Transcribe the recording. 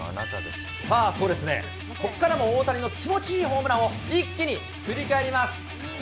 ここからも大谷の気持ちいいホームランを一気に振り返ります。